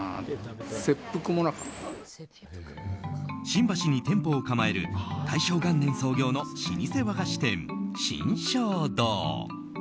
新橋に店舗を構える大正元年創業の老舗和菓子店、新正堂。